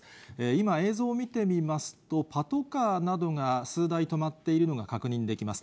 今、映像を見てみますと、パトカーなどが数台止まっているのが確認できます。